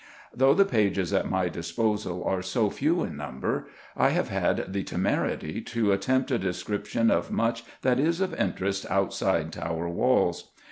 Though the pages at my disposal are so few in number, I have had the temerity to attempt a description of much that is of interest outside Tower walls.